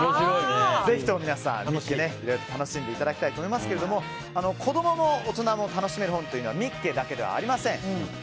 ぜひとも皆さん、「ミッケ！」楽しんでいただきたいと思いますが子供も大人も楽しめる本というのは「ミッケ！」だけではありません。